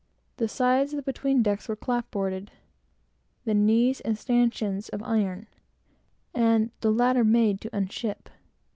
The sides of the between decks were clapboarded, the knees and stanchions of iron, and the latter made to unship.